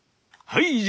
はい！